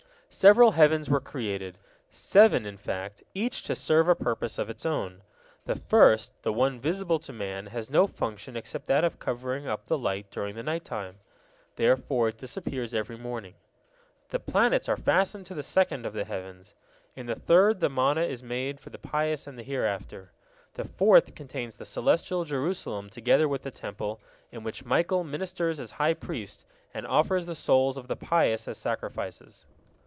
Several heavens were created, seven in fact, each to serve a purpose of its own. The first, the one visible to man, has no function except that of covering up the light during the night time; therefore it disappears every morning. The planets are fastened to the second of the heavens; in the third the manna is made for the pious in the hereafter; the fourth contains the celestial Jerusalem together with the Temple, in which Michael ministers as high priest, and offers the souls of the pious as sacrifices.